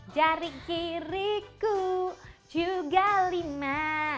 jari kiriku juga lima